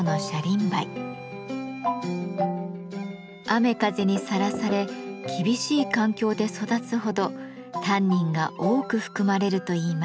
雨風にさらされ厳しい環境で育つほどタンニンが多く含まれるといいます。